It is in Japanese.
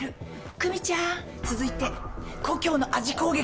久実ちゃん続いて故郷の味攻撃。